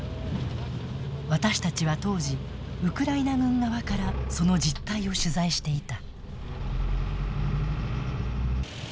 私たちは当時ウクライナ軍側からその実態を取材していた。